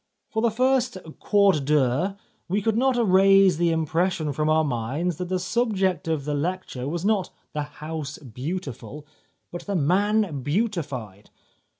For the first quart d'heure we could not erase the impression from our minds that the subject of the lecture was not ' the house beautiful,' but ' the man beautified.'